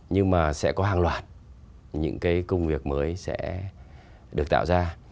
nhưng mà sẽ có hàng loạt những cái công việc mới sẽ được tạo ra